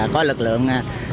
có lực lượng